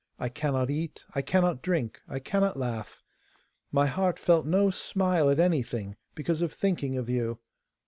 I cannot eat, I cannot drink, I cannot laugh; my heart felt no smile at anything, because of thinking of you.